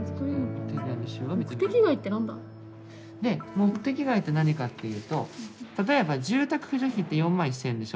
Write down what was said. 目的外って何かっていうと例えば住宅扶助費って４万１，０００円でしょ。